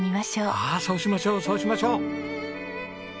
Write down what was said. ああそうしましょうそうしましょう！